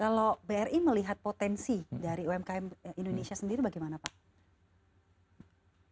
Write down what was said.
kalau bri melihat potensi dari umkm indonesia sendiri bagaimana pak